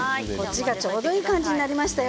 ちょうどいい感じになりましたよ。